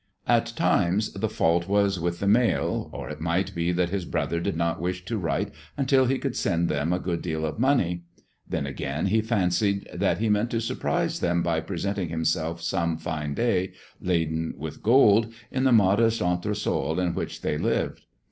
At times the fault was with the mail, or it might be that his brother did not wish to write until he could send them a good deal of money; then again, he fancied that he meant to surprise them by presenting himself some fine day, laden with gold, in the modest entresol in which they lived.